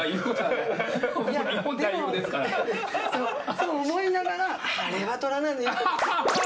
そう思いながらあれはとらなねとか。